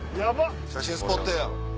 写真スポットや！